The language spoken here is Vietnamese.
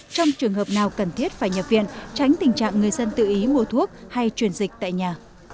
trong trường hợp nào cần thiết phải nhập viện tránh tình trạng người dân tự ý mua thuốc hay truyền dịch tại nhà